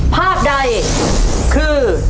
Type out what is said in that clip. ภาพใดคือ